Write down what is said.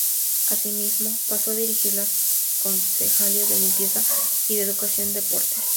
Asimismo, pasó a dirigir las concejalías de Limpieza y de Educación y Deportes.